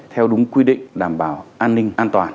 theo đúng quy định đảm bảo an ninh an toàn